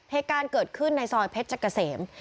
เหตุการณ์เกิดขึ้นในซอยเพชรเกษม